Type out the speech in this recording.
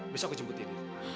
besok aku jemputin